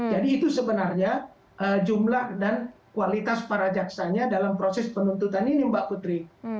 jadi itu sebenarnya jumlah dan kualitas para jaksanya dalam proses penuntutan ini mbak putri